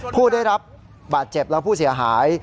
ผู้ได้รับบาดเจ็บและผู้เสียหาย